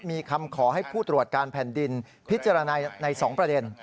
มีคำขอให้ผู้ตรวจการแผ่นดินพิจารณาใน๒ประเด็น